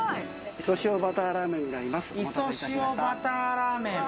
磯塩バターラーメンになります。